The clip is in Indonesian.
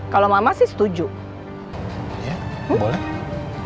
mudah emang bisa diperbaiki